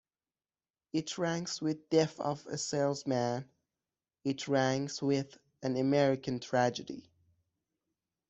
It ranks with "Death of a Salesman", it ranks with "An American Tragedy".